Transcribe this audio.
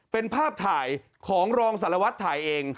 เป็นภาพถ่ายของรองสารวัตรถ่ายเอง